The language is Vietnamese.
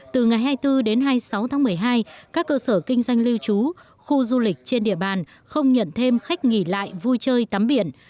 từ ngày hai mươi bốn đến hai mươi sáu tháng một mươi hai các cơ sở kinh doanh lưu trú khu du lịch trên địa bàn không nhận thêm khách nghỉ lại vui chơi tắm biển